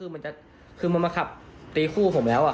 มันมาขับตีขู้ผมแล้ว